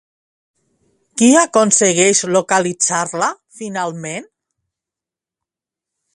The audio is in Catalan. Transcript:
Qui aconsegueix localitzar-la finalment?